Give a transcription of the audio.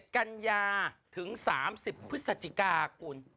๒๗กัญญาถึง๓๐พฤษจิกากล